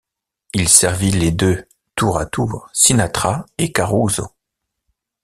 Il servit les deux, tour à tour Sinatra et Caruso.